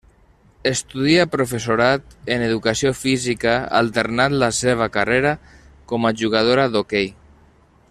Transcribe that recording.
Estudia professorat en educació física alternant la seva carrera com a jugadora d'hoquei.